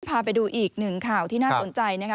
พาไปดูอีกหนึ่งข่าวที่น่าสนใจนะคะ